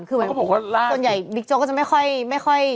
เขาบอกว่าล่าส่วนใหญ่บิ๊กโจ๊กก็จะไม่ค่อย